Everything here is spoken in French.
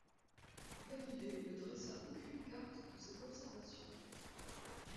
Galilée ne dressa aucune carte de ses observations.